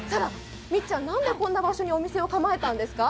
みっちゃん、なんでこんな場所にお店を構えたんですか？